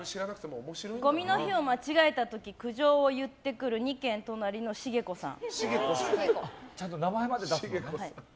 ゴミの日を間違えた時苦情を言ってくる２軒隣の茂子さん。